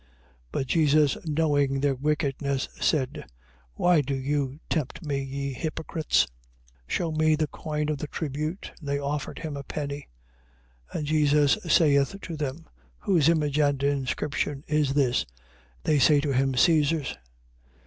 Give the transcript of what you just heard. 22:18. But Jesus knowing their wickedness, said: Why do you tempt me, ye hypocrites? 22:19. Shew me the coin of the tribute. And they offered him a penny. 22:20. And Jesus saith to them: Whose image and inscription is this? 22:21. They say to him: Caesar's.